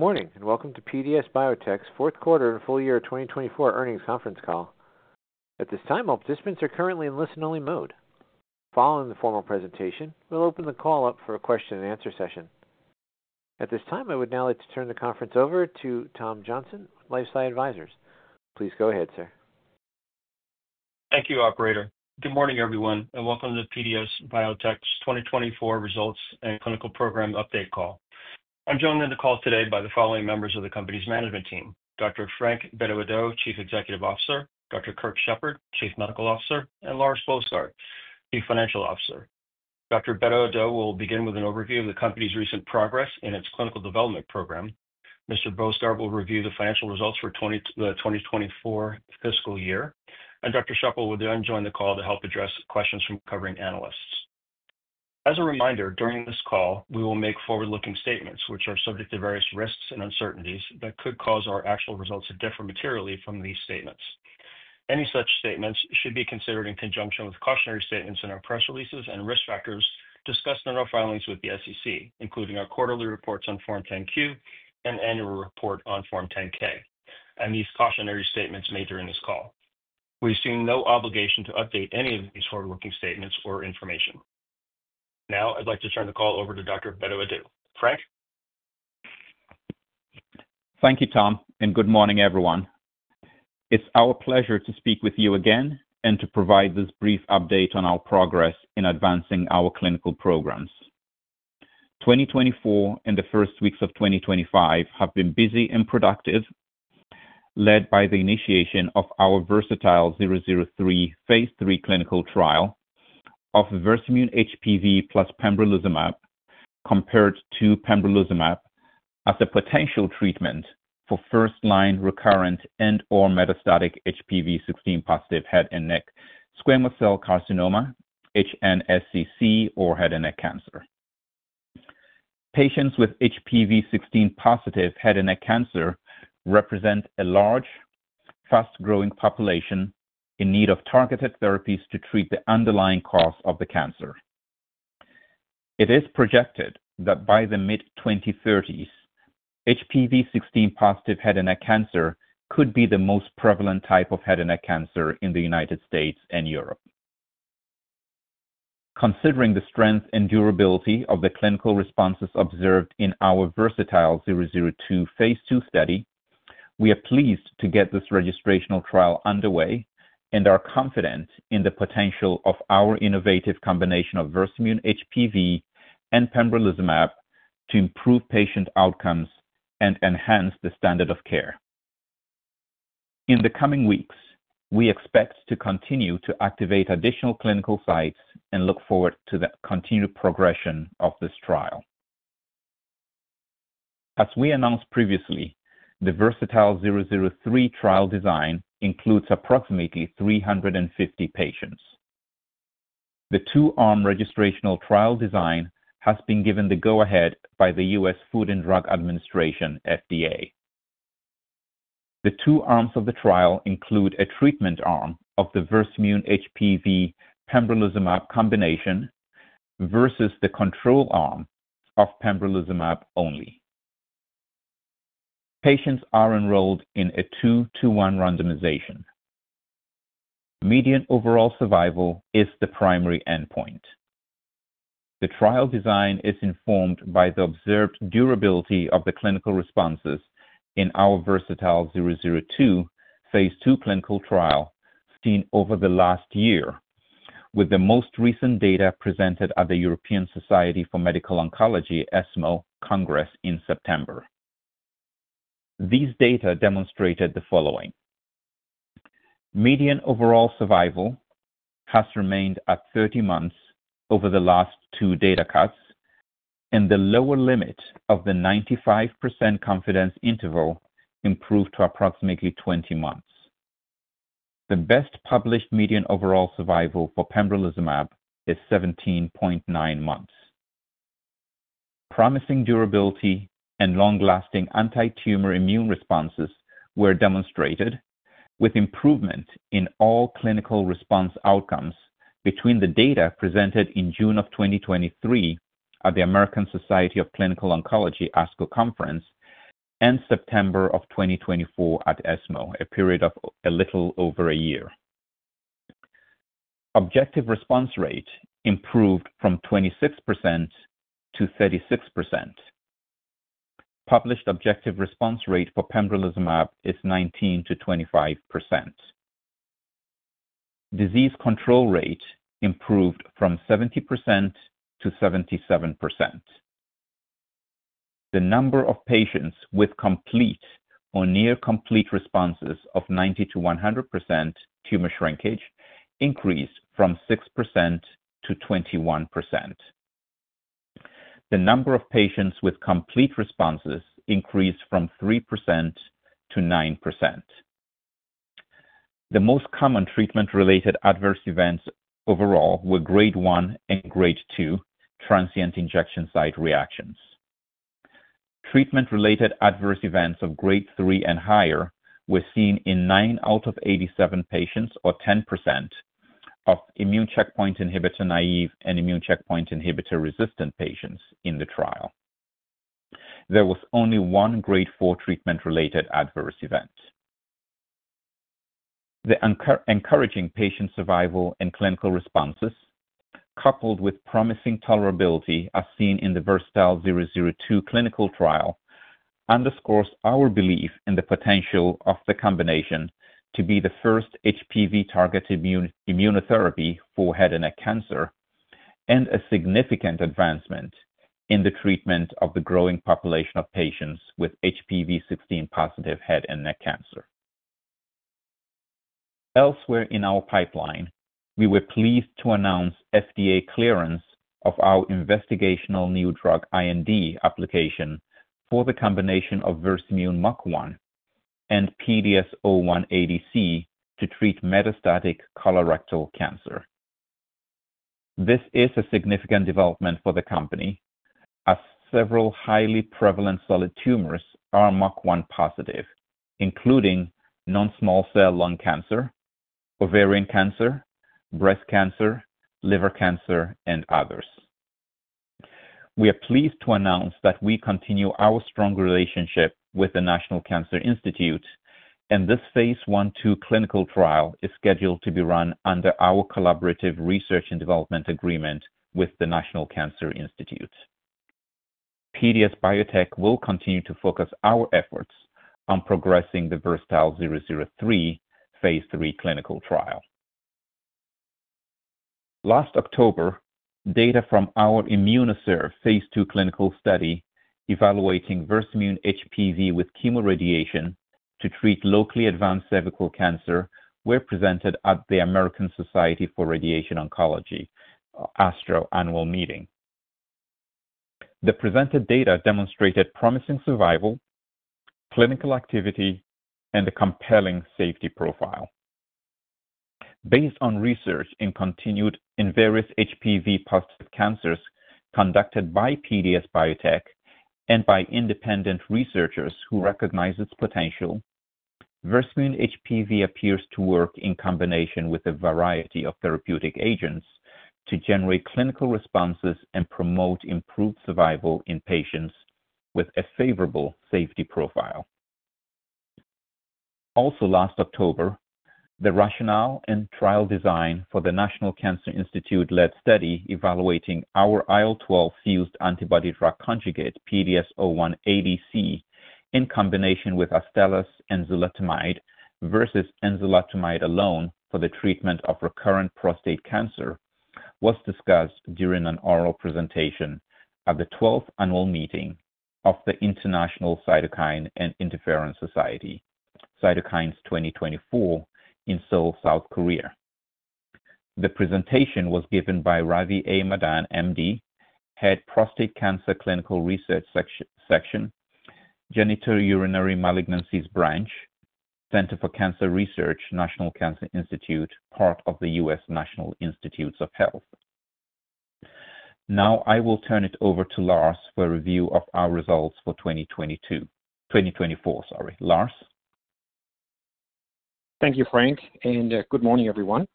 Good morning and welcome to PDS Biotech's Fourth Quarter and Full Year 2024 Earnings Conference call. At this time, all participants are currently in listen-only mode. Following the formal presentation, we'll open the call up for a question-and-answer session. At this time, I would now like to turn the conference over to Tom Johnson with LifeSci Advisors. Please go ahead, sir. Thank you, Operator. Good morning, everyone, and welcome to PDS Biotech's 2024 Results and Clinical Program update call. I'm joined in the call today by the following members of the company's management team: Dr. Frank Bedu-Addo, Chief Executive Officer; Dr. Kirk Shepard, Chief Medical Officer; and Lars Boesgaard, Chief Financial Officer. Dr. Bedu-Addo will begin with an overview of the company's recent progress in its clinical development program. Mr. Boesgaard will review the financial results for the 2024 fiscal year, and Dr. Shepard will then join the call to help address questions from covering analysts. As a reminder, during this call, we will make forward-looking statements, which are subject to various risks and uncertainties that could cause our actual results to differ materially from these statements. Any such statements should be considered in conjunction with cautionary statements in our press releases and risk factors discussed in our filings with the SEC, including our quarterly reports on Form 10-Q and annual report on Form 10-K. These cautionary statements made during this call. We assume no obligation to update any of these forward-looking statements or information. Now, I'd like to turn the call over to Dr. Frank Bedu-Addo. Thank you, Tom, and good morning, everyone. It's our pleasure to speak with you again and to provide this brief update on our progress in advancing our clinical programs. 2024 and the first weeks of 2025 have been busy and productive, led by the initiation of our VERSATILE-003 phase III clinical trial of the Versamune HPV plus pembrolizumab, compared to pembrolizumab as a potential treatment for first-line recurrent and/or metastatic HPV16 positive head and neck squamous cell carcinoma, HNSCC, or head and neck cancer. Patients with HPV16 positive head and neck cancer represent a large, fast-growing population in need of targeted therapies to treat the underlying cause of the cancer. It is projected that by the mid-2030s, HPV16 positive head and neck cancer could be the most prevalent type of head and neck cancer in the United States and Europe. Considering the strength and durability of the clinical responses observed in our VERSATILE-002 phase II study, we are pleased to get this registrational trial underway and are confident in the potential of our innovative combination of Versamune HPV and pembrolizumab to improve patient outcomes and enhance the standard of care. In the coming weeks, we expect to continue to activate additional clinical sites and look forward to the continued progression of this trial. As we announced previously, the VERSATILE-002 trial design includes approximately 350 patients. The two-arm registrational trial design has been given the go-ahead by the U.S. Food and Drug Administration, FDA. The two arms of the trial include a treatment arm of the Versamune HPV-pembrolizumab combination versus the control arm of pembrolizumab only. Patients are enrolled in a two-to-one randomization. Median overall survival is the primary endpoint. The trial design is informed by the observed durability of the clinical responses in our VERSATILE-002 phase II clinical trial seen over the last year, with the most recent data presented at the European Society for Medical Oncology, ESMO, Congress in September. These data demonstrated the following: median overall survival has remained at 30 months over the last two data cuts, and the lower limit of the 95% confidence interval improved to approximately 20 months. The best published median overall survival for Pembrolizumab is 17.9 months. Promising durability and long-lasting anti-tumor immune responses were demonstrated, with improvement in all clinical response outcomes between the data presented in June of 2023 at the American Society of Clinical Oncology ASCO Conference and September of 2024 at ESMO, a period of a little over a year. Objective response rate improved from 26%-36%. Published objective response rate for pembrolizumab is 19-25%. Disease control rate improved from 70%-77%. The number of patients with complete or near-complete responses of 90-100% tumor shrinkage increased from 6%-21%. The number of patients with complete responses increased from 3%-9%. The most common treatment-related adverse events overall were grade one and grade two transient injection site reactions. Treatment-related adverse events of grade three and higher were seen in nine out of 87 patients, or 10%, of immune checkpoint inhibitor naive and immune checkpoint inhibitor resistant patients in the trial. There was only one grade four treatment-related adverse event. The encouraging patient survival and clinical responses, coupled with promising tolerability as seen in the VERSATILE-002 clinical trial, underscores our belief in the potential of the combination to be the first HPV-targeted immunotherapy for head and neck cancer and a significant advancement in the treatment of the growing population of patients with HPV16-positive head and neck cancer. Elsewhere in our pipeline, we were pleased to announce FDA clearance of our Investigational New Drug application for the combination of Versamune MUC1 and PDS01ADCC to treat metastatic colorectal cancer. This is a significant development for the company as several highly prevalent solid tumors are MUC1-positive, including non-small cell lung cancer, ovarian cancer, breast cancer, liver cancer, and others. We are pleased to announce that we continue our strong relationship with the National Cancer Institute, and this phase I-II clinical trial is scheduled to be run under our collaborative research and development agreement with the National Cancer Institute. PDS Biotech will continue to focus our efforts on progressing the VERSATILE-003 phase II clinical trial. Last October, data from our IMMUNOCERV phase II clinical study evaluating Versamune HPV with chemoradiation to treat locally advanced cervical cancer were presented at the American Society for Radiation Oncology annual meeting. The presented data demonstrated promising survival, clinical activity, and a compelling safety profile. Based on research in continued in various HPV positive cancers conducted by PDS Biotech and by independent researchers who recognize its potential, Versamune HPV appears to work in combination with a variety of therapeutic agents to generate clinical responses and promote improved survival in patients with a favorable safety profile. Also, last October, the rationale and trial design for the National Cancer Institute-led study evaluating our IL-12 fused antibody drug conjugate, PDS01ADC, in combination with Astellas enzalutamide versus enzalutamide alone for the treatment of recurrent prostate cancer was discussed during an oral presentation at the 12th annual meeting of the International Cytokine and Interferon Society, Cytokines 2024, in Seoul, South Korea. The presentation was given by Ravi A. Madan, M.D., Head Prostate Cancer Clinical Research Section, Genitourinary Malignancies Branch, Center for Cancer Research, National Cancer Institute, part of the U.S. National Institutes of Health. Now, I will turn it over to Lars for a review of our results for 2024. Lars. Thank you, Frank, and good morning, everyone.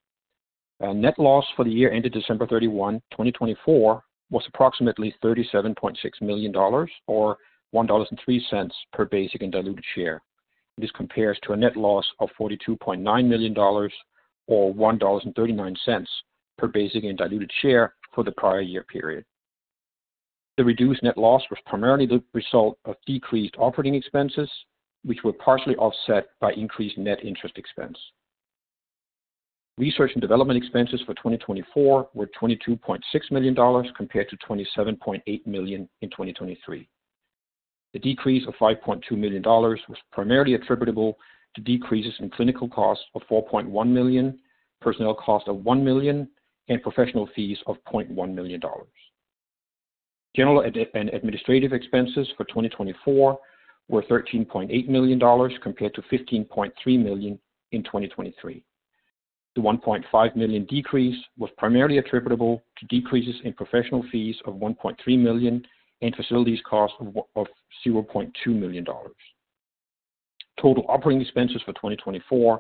Net loss for the year ended December 31, 2024, was approximately $37.6 million, or $1.03 per basic and diluted share. This compares to a net loss of $42.9 million, or $1.39 per basic and diluted share for the prior year period. The reduced net loss was primarily the result of decreased operating expenses, which were partially offset by increased net interest expense. Research and development expenses for 2024 were $22.6 million compared to $27.8 million in 2023. The decrease of $5.2 million was primarily attributable to decreases in clinical costs of $4.1 million, personnel cost of $1 million, and professional fees of $0.1 million. General and administrative expenses for 2024 were $13.8 million compared to $15.3 million in 2023. The $1.5 million decrease was primarily attributable to decreases in professional fees of $1.3 million and facilities cost of $0.2 million. Total operating expenses for 2024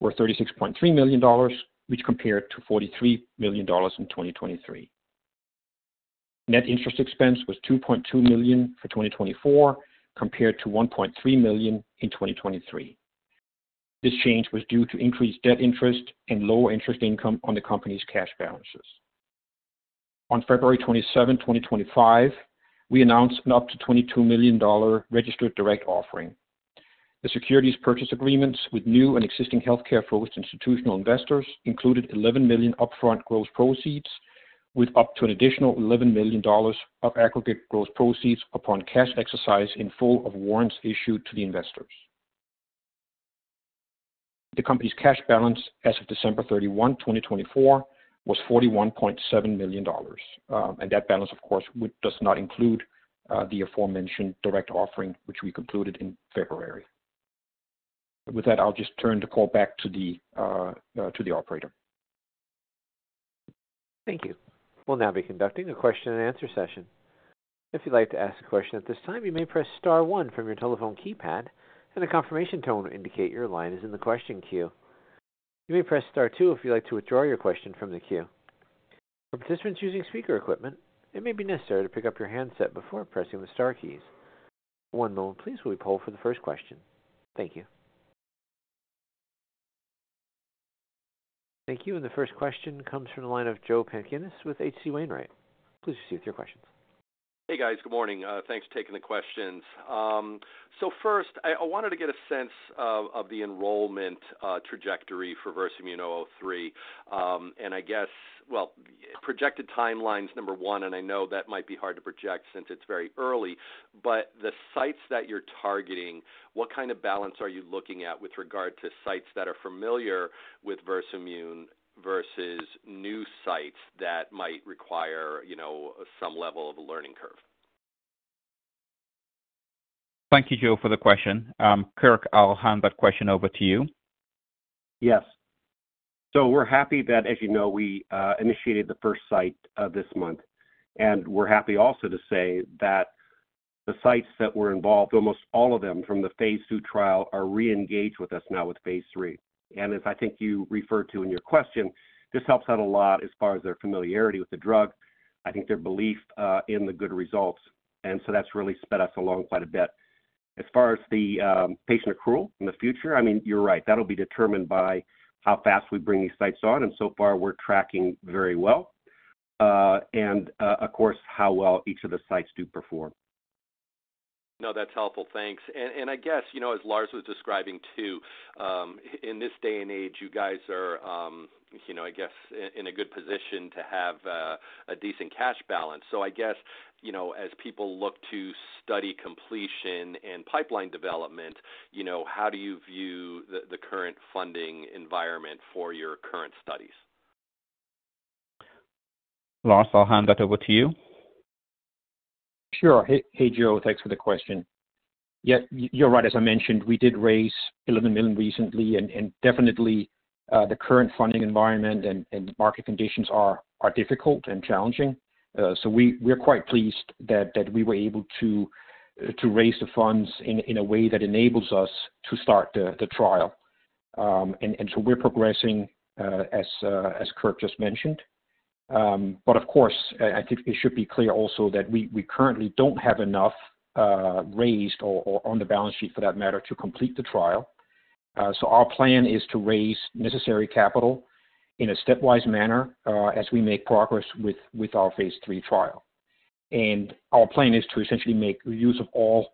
were $36.3 million, which compared to $43 million in 2023. Net interest expense was $2.2 million for 2024 compared to $1.3 million in 2023. This change was due to increased debt interest and lower interest income on the company's cash balances. On February 27, 2025, we announced an up to $22 million registered direct offering. The securities purchase agreements with new and existing healthcare-focused institutional investors included $11 million upfront gross proceeds, with up to an additional $11 million of aggregate gross proceeds upon cash exercise in full of warrants issued to the investors. The company's cash balance as of December 31, 2024, was $41.7 million. That balance, of course, does not include the aforementioned direct offering, which we concluded in February. With that, I'll just turn the call back to the operator. Thank you. We'll now be conducting a question-and-answer session. If you'd like to ask a question at this time, you may press star one from your telephone keypad, and a confirmation tone will indicate your line is in the question queue. You may press star two if you'd like to withdraw your question from the queue. For participants using speaker equipment, it may be necessary to pick up your handset before pressing the star keys. One moment, please, while we poll for the first question. Thank you. The first question comes from the line of Joe Pantginis with H.C. Wainwright. Please proceed with your questions. Hey, guys. Good morning. Thanks for taking the questions. First, I wanted to get a sense of the enrollment trajectory for VERSATILE-003. I guess projected timeline is number one, and I know that might be hard to project since it's very early. The sites that you're targeting, what kind of balance are you looking at with regard to sites that are familiar with Versamune versus new sites that might require some level of a learning curve? Thank you, Joe, for the question. Kirk, I'll hand that question over to you. Yes. We're happy that, as you know, we initiated the first site this month. We're happy also to say that the sites that were involved, almost all of them from the phase II trial, are re-engaged with us now with phase III. As I think you referred to in your question, this helps out a lot as far as their familiarity with the drug, I think their belief in the good results. That has really sped us along quite a bit. As far as the patient accrual in the future, I mean, you're right. That will be determined by how fast we bring these sites on. So far, we're tracking very well. Of course, how well each of the sites do perform. No, that's helpful. Thanks. I guess, as Lars was describing too, in this day and age, you guys are, I guess, in a good position to have a decent cash balance. I guess, as people look to study completion and pipeline development, how do you view the current funding environment for your current studies? Lars, I'll hand that over to you. Sure. Hey, Joe. Thanks for the question. Yeah, you're right. As I mentioned, we did raise $11 million recently. Definitely, the current funding environment and market conditions are difficult and challenging. We're quite pleased that we were able to raise the funds in a way that enables us to start the trial. We're progressing, as Kirk just mentioned. Of course, I think it should be clear also that we currently don't have enough raised or on the balance sheet, for that matter, to complete the trial. Our plan is to raise necessary capital in a stepwise manner as we make progress with our phase III trial. Our plan is to essentially make use of all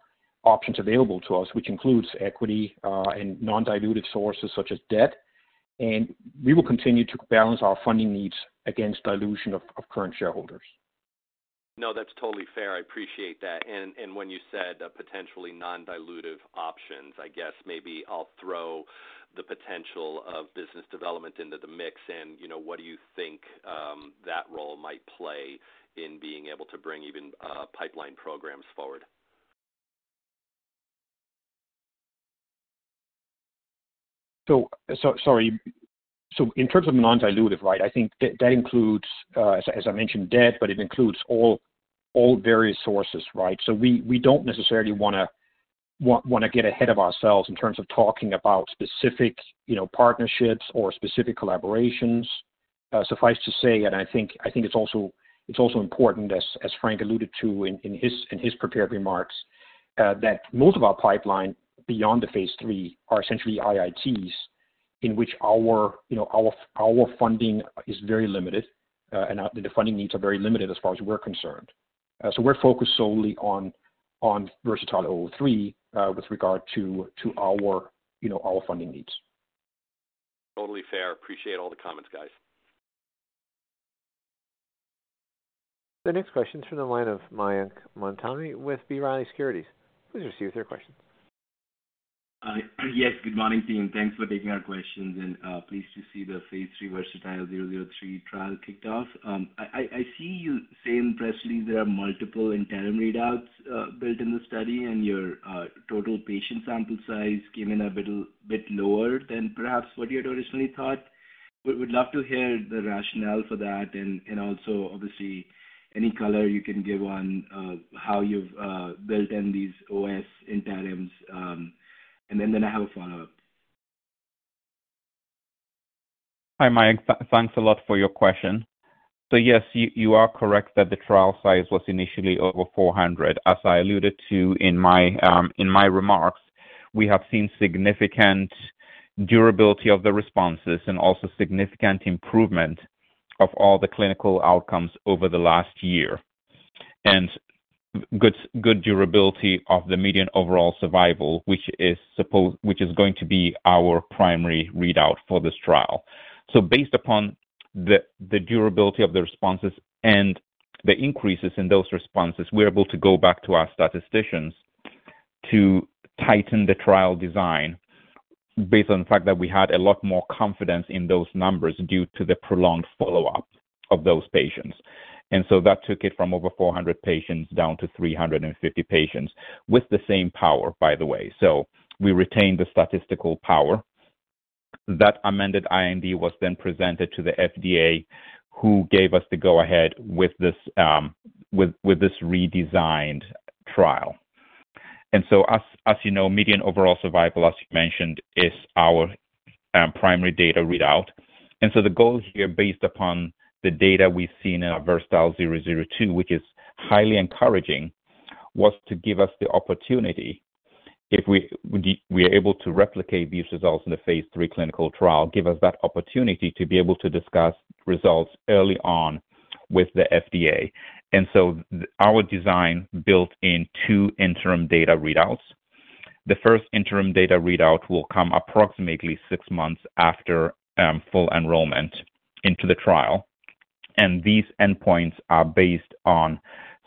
options available to us, which includes equity and non-dilutive sources such as debt. We will continue to balance our funding needs against dilution of current shareholders. No, that's totally fair. I appreciate that. When you said potentially non-dilutive options, I guess maybe I'll throw the potential of business development into the mix. What do you think that role might play in being able to bring even pipeline programs forward? Sorry. In terms of non-dilutive, right, I think that includes, as I mentioned, debt, but it includes all various sources, right? We do not necessarily want to get ahead of ourselves in terms of talking about specific partnerships or specific collaborations. Suffice to say, and I think it is also important, as Frank alluded to in his prepared remarks, that most of our pipeline beyond the phase III are essentially IITs in which our funding is very limited, and the funding needs are very limited as far as we are concerned. We are focused solely on VERSATILE-003 with regard to our funding needs. Totally fair. Appreciate all the comments, guys. The next question is from the line of Mayank Mamtani with B. Riley Securities. Please proceed with your question. Yes. Good morning, team. Thanks for taking our questions. Pleased to see the phase III VERSATILE-003 trial kicked off. I see you saying impressively there are multiple interim readouts built in the study, and your total patient sample size came in a bit lower than perhaps what you had originally thought. We'd love to hear the rationale for that and also, obviously, any color you can give on how you've built in these OS interims. I have a follow-up. Hi, Mayank. Thanks a lot for your question. Yes, you are correct that the trial size was initially over 400. As I alluded to in my remarks, we have seen significant durability of the responses and also significant improvement of all the clinical outcomes over the last year and good durability of the median overall survival, which is going to be our primary readout for this trial. Based upon the durability of the responses and the increases in those responses, we're able to go back to our statisticians to tighten the trial design based on the fact that we had a lot more confidence in those numbers due to the prolonged follow-up of those patients. That took it from over 400 patients down to 350 patients with the same power, by the way. We retained the statistical power. That amended IND was then presented to the FDA, who gave us the go-ahead with this redesigned trial. As you know, median overall survival, as you mentioned, is our primary data readout. The goal here, based upon the data we've seen in our VERSATILE-002, which is highly encouraging, was to give us the opportunity, if we are able to replicate these results in the phase III clinical trial, to give us that opportunity to be able to discuss results early on with the FDA. Our design built in two interim data readouts. The first interim data readout will come approximately six months after full enrollment into the trial. These endpoints are based on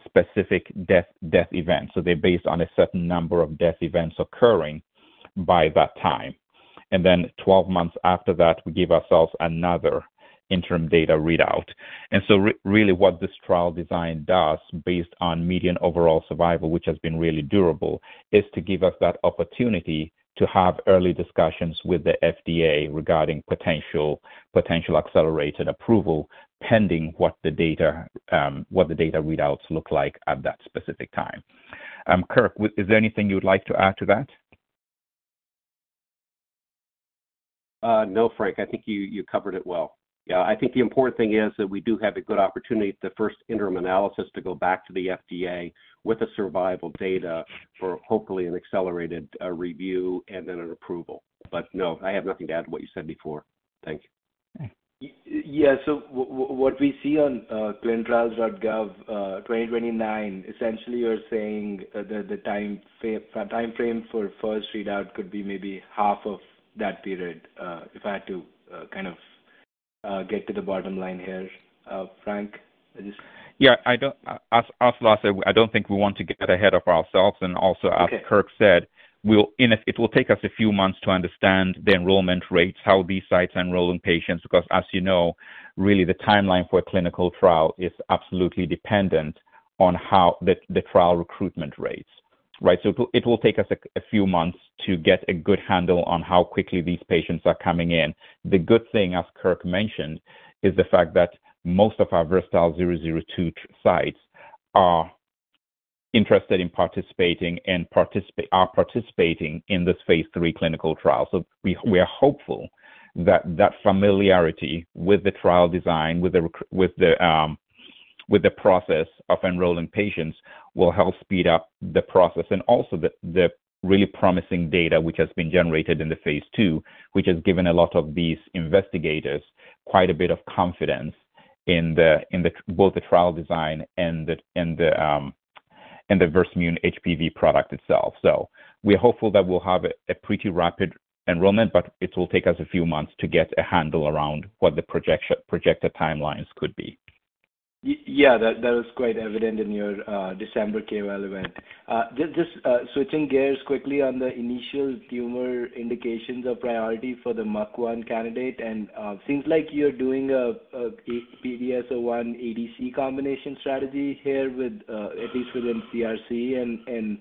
specific death events. They are based on a certain number of death events occurring by that time. Twelve months after that, we give ourselves another interim data readout. Really, what this trial design does, based on median overall survival, which has been really durable, is to give us that opportunity to have early discussions with the FDA regarding potential accelerated approval pending what the data readouts look like at that specific time. Kirk, is there anything you'd like to add to that? No, Frank. I think you covered it well. Yeah, I think the important thing is that we do have a good opportunity, the first interim analysis, to go back to the FDA with the survival data for hopefully an accelerated review and then an approval. No, I have nothing to add to what you said before. Thank you. Yeah. What we see on clinicaltrials.gov 2029, essentially, you're saying the timeframe for first readout could be maybe half of that period. If I had to kind of get to the bottom line here, Frank, I just. Yeah. As Lars said, I don't think we want to get ahead of ourselves. Also, as Kirk said, it will take us a few months to understand the enrollment rates, how these sites are enrolling patients, because, as you know, really, the timeline for a clinical trial is absolutely dependent on the trial recruitment rates, right? It will take us a few months to get a good handle on how quickly these patients are coming in. The good thing, as Kirk mentioned, is the fact that most of our VERSATILE-002 sites are interested in participating and are participating in this phase III clinical trial. We are hopeful that that familiarity with the trial design, with the process of enrolling patients, will help speed up the process. The really promising data which has been generated in the phase II, which has given a lot of these investigators quite a bit of confidence in both the trial design and the Versamune HPV product itself. We are hopeful that we'll have a pretty rapid enrollment, but it will take us a few months to get a handle around what the projected timelines could be. Yeah, that was quite evident in your December KOL event. Just switching gears quickly on the initial tumor indications of priority for the MUC1 candidate. It seems like you're doing a PDS01ADC combination strategy here, at least within CRC, and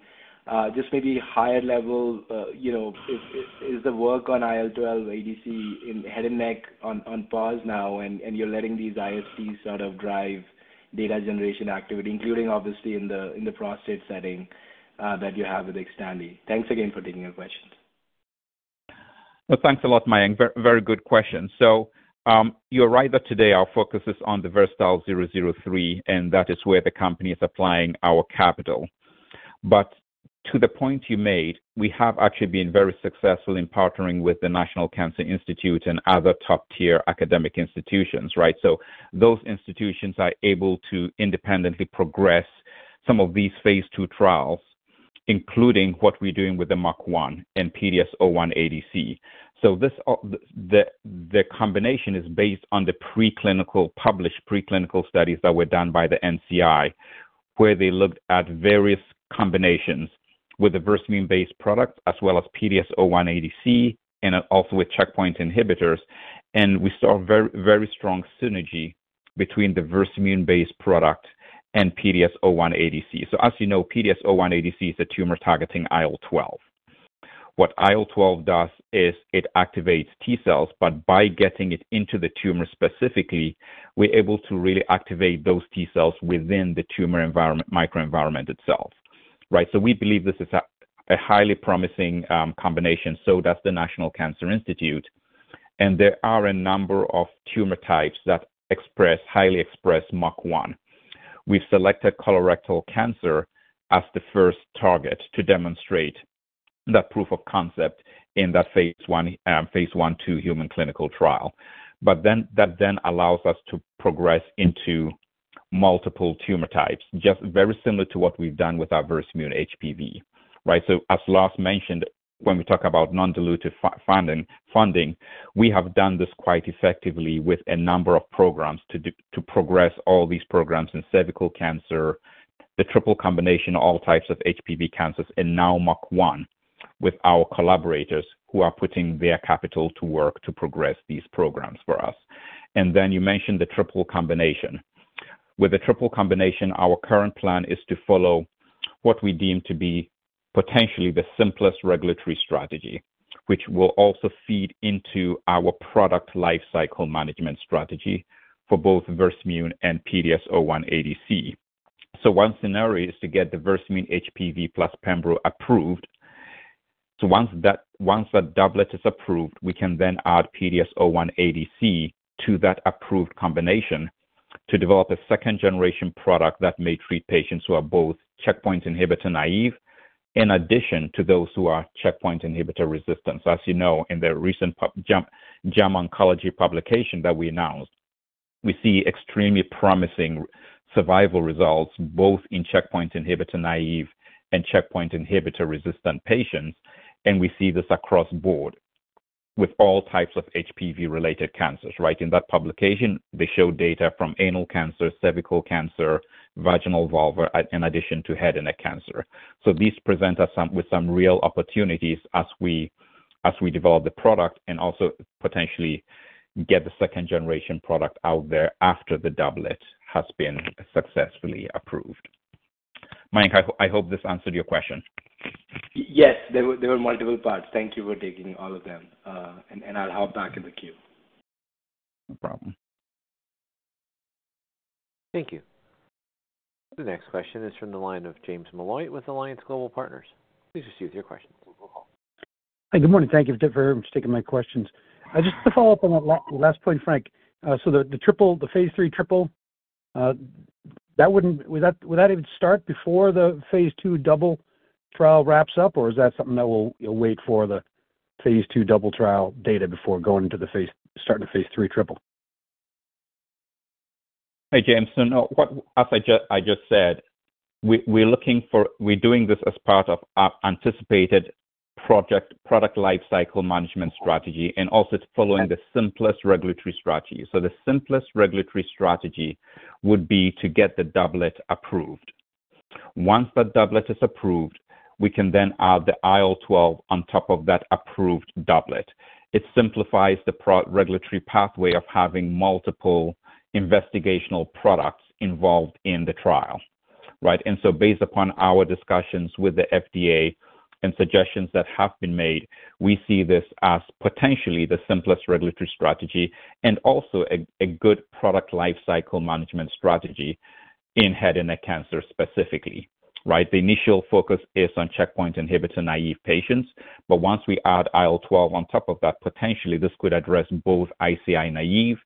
just maybe higher level. Is the work on IL-12 ADC in head and neck on pause now, and you're letting these ISTs sort of drive data generation activity, including, obviously, in the prostate setting that you have with Xtandi? Thanks again for taking your question. Thanks a lot, Mayank. Very good question. You're right that today our focus is on the VERSATILE-003, and that is where the company is applying our capital. To the point you made, we have actually been very successful in partnering with the National Cancer Institute and other top-tier academic institutions, right? Those institutions are able to independently progress some of these phase II trials, including what we're doing with the MUC1 and PDS01ADC. The combination is based on the published pre-clinical studies that were done by the NCI, where they looked at various combinations with the Versamune-based product as well as PDS01ADC and also with checkpoint inhibitors. We saw very strong synergy between the Versamune-based product and PDS01ADC. As you know, PDS01ADC is a tumor targeting IL-12. What IL-12 does is it activates T cells, but by getting it into the tumor specifically, we're able to really activate those T cells within the tumor microenvironment itself, right? We believe this is a highly promising combination. The National Cancer Institute does as well. There are a number of tumor types that highly express MUC1. We've selected colorectal cancer as the first target to demonstrate that proof of concept in that phase 1-2 human clinical trial. That then allows us to progress into multiple tumor types, just very similar to what we've done with our Versamune HPV, right? As Lars mentioned, when we talk about non-dilutive funding, we have done this quite effectively with a number of programs to progress all these programs in cervical cancer, the triple combination of all types of HPV cancers, and now MUC1 with our collaborators who are putting their capital to work to progress these programs for us. You mentioned the triple combination. With the triple combination, our current plan is to follow what we deem to be potentially the simplest regulatory strategy, which will also feed into our product lifecycle management strategy for both Versamune and PDS01ADC. One scenario is to get the Versamune HPV plus Pembro approved. Once that doublet is approved, we can then add PDS01ADC to that approved combination to develop a second-generation product that may treat patients who are both checkpoint inhibitor naive in addition to those who are checkpoint inhibitor resistant. As you know, in the recent JAMA Oncology publication that we announced, we see extremely promising survival results both in checkpoint inhibitor naive and checkpoint inhibitor resistant patients. We see this across the board with all types of HPV-related cancers, right? In that publication, they showed data from anal cancer, cervical cancer, vaginal, vulva, in addition to head and neck cancer. These present us with some real opportunities as we develop the product and also potentially get the second-generation product out there after the doublet has been successfully approved. Mayank, I hope this answered your question. Yes. There were multiple parts. Thank you for taking all of them. I'll hop back in the queue. No problem. Thank you. The next question is from the line of James Molloy with Alliance Global Partners. Please proceed with your questions. Hi, good morning. Thank you for taking my questions. Just to follow up on the last point, Frank. The phase III triple, would that even start before the phase 2 double trial wraps up, or is that something that we'll wait for the phase II double trial data before going to starting the phase III triple? Hey, James. As I just said, we're doing this as part of our anticipated product lifecycle management strategy and also following the simplest regulatory strategy. The simplest regulatory strategy would be to get the doublet approved. Once that doublet is approved, we can then add the IL-12 on top of that approved doublet. It simplifies the regulatory pathway of having multiple investigational products involved in the trial, right? Based upon our discussions with the FDA and suggestions that have been made, we see this as potentially the simplest regulatory strategy and also a good product lifecycle management strategy in head and neck cancer specifically, right? The initial focus is on checkpoint inhibitor naive patients. Once we add IL-12 on top of that, potentially this could address both ICI naive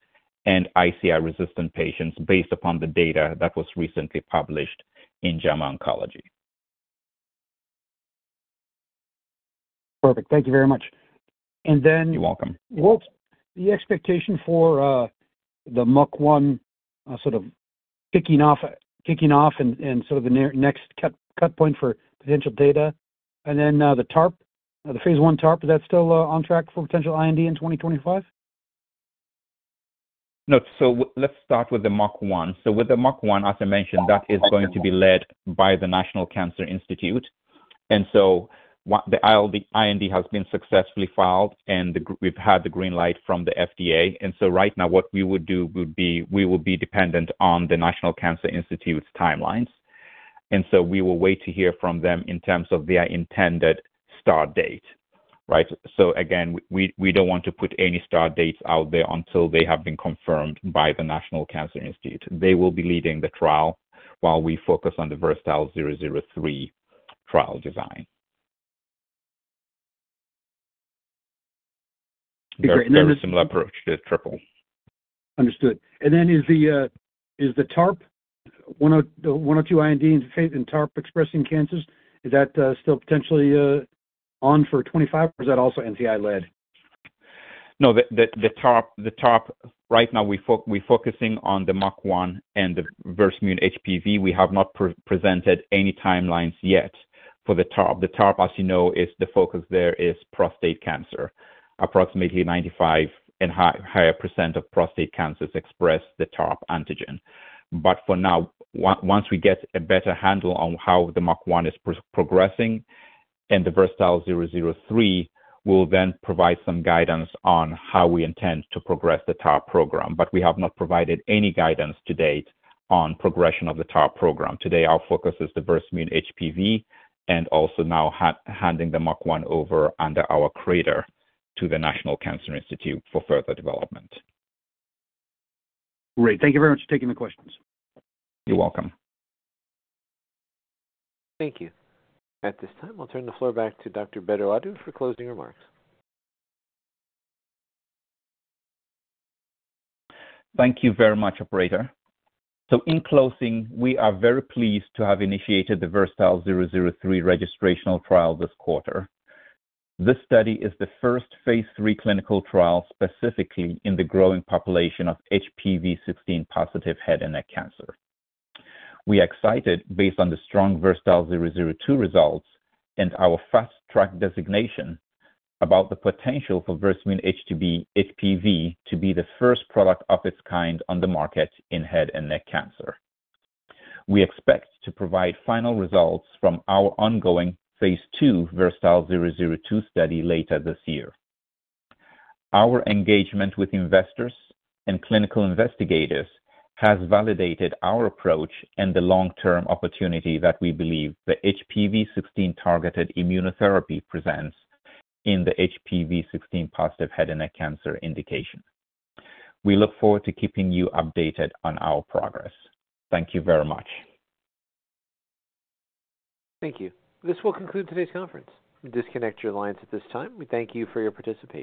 and ICI resistant patients based upon the data that was recently published in JAMA Oncology. Perfect. Thank you very much. Then. You're welcome. What's the expectation for the MUC1 sort of kicking off and sort of the next cut point for potential data? And then the TARP, the phase I TARP, is that still on track for potential IND in 2025? No. Let's start with the MUC1. With the MUC1, as I mentioned, that is going to be led by the National Cancer Institute. The IND has been successfully filed, and we've had the green light from the FDA. Right now, what we would do would be we will be dependent on the National Cancer Institute's timelines. We will wait to hear from them in terms of their intended start date, right? Again, we don't want to put any start dates out there until they have been confirmed by the National Cancer Institute. They will be leading the trial while we focus on the VERSATILE-003 trial design. It's a very similar approach to the triple. Understood. Is the TARP, one or two INDs in TARP-expressing cancers, still potentially on for 2025, or is that also NCI-led? No, the TARP, right now, we're focusing on the MUC1 and the Versamune HPV. We have not presented any timelines yet for the TARP. The TARP, as you know, the focus there is prostate cancer. Approximately 95% and higher of prostate cancers express the TARP antigen. For now, once we get a better handle on how the MUC1 is progressing and the VERSATILE-003, we'll then provide some guidance on how we intend to progress the TARP program. We have not provided any guidance to date on progression of the TARP program. Today, our focus is the Versamune HPV and also now handing the MUC1 over under our crater to the National Cancer Institute for further development. Great. Thank you very much for taking the questions. You're welcome. Thank you. At this time, I'll turn the floor back to Dr. Bedu-Addo for closing remarks. Thank you very much, Operator. In closing, we are very pleased to have initiated the VERSATILE-003 registrational trial this quarter. This study is the first phase III clinical trial specifically in the growing population of HPV-16 positive head and neck cancer. We are excited based on the strong VERSATILE-002 results and our fast-track designation about the potential for Versamune HPV to be the first product of its kind on the market in head and neck cancer. We expect to provide final results from our ongoing phase II VERSATILE-002 study later this year. Our engagement with investors and clinical investigators has validated our approach and the long-term opportunity that we believe the HPV-16 targeted immunotherapy presents in the HPV-16 positive head and neck cancer indication. We look forward to keeping you updated on our progress. Thank you very much. Thank you. This will conclude today's conference. Disconnect your lines at this time. We thank you for your participation.